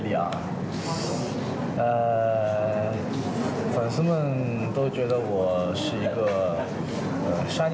มีความสงสัยมีความสงสัย